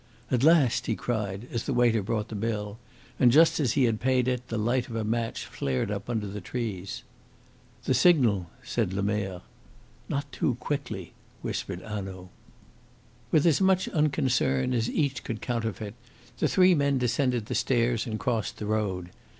"At last!" he cried, as the waiter brought the bill, and just as he had paid it the light of a match flared up under the trees. "The signal!" said Lemerre. "Not too quickly," whispered Hanaud. With as much unconcern as each could counterfeit, the three men descended the stairs and crossed the road.